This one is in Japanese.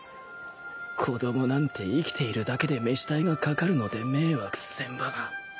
子供なんて生きているだけで飯代がかかるので迷惑千万